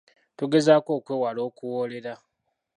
Tugezeeko okwewala okuwoolera.